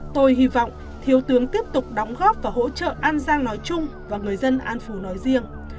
tôi hy vọng thiếu tướng tiếp tục đóng góp và hỗ trợ an giang nói chung và người dân an phú nói riêng